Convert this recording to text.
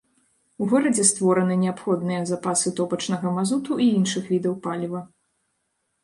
У горадзе створаны неабходныя запасы топачнага мазуту і іншых відаў паліва.